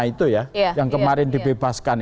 itu ya yang kemarin dibebaskan